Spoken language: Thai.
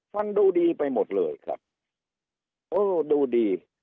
ฟังดูดีไปหมดเลยครับโอ้ดูดี